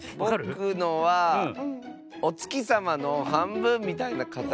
ぼくのはおつきさまのはんぶんみたいなかたちですね。